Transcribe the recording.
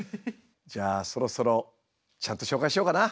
じゃあそろそろちゃんと紹介しようかな？